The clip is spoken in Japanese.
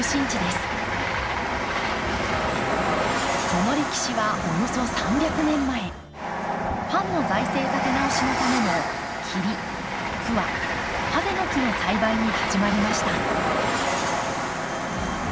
その歴史はおよそ３００年前藩の財政立て直しのための桐桑櫨の木の栽培に始まりました。